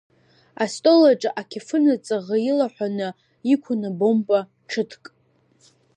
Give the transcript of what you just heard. Астол аҿы ақьафына ҵаӷа илаҳәаны иқәын абамба ҽыҭк.